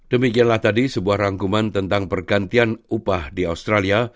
demikianlah tadi sebuah rangkuman tentang pergantian upah di australia